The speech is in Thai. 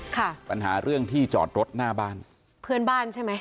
ค่ะปัญหาเรื่องที่จอดรถหน้าบ้านเพื่อนบ้านใช่ไหม